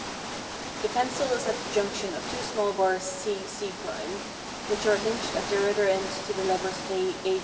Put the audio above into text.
The pencil is at the junction of two small bars CC', which are hinged at their other end to the levers AA'.